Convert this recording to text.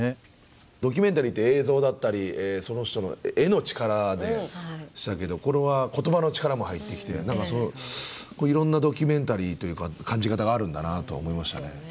ドキュメンタリーって映像だったりその人の絵の力でしたけどこれは言葉の力も入ってきて何かそういろんなドキュメンタリーというか感じ方があるんだなと思いましたね。